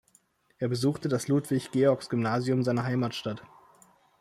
Er besuchte das Ludwig-Georgs-Gymnasium seiner Heimatstadt.